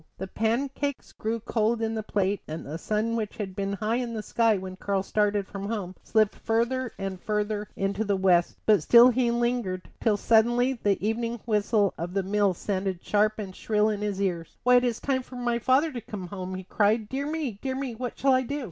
The pancakes grew cold in the plate, and the sun which had been high in the sky when Karl started from home slipped farther and farther into the west; but still he lingered, till suddenly the evening whistle of the mill sounded sharp and shrill in his ears. "Why, it is time for my father to come home," he cried. "Dear me, dear me, what shall I do?"